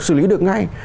xử lý được ngay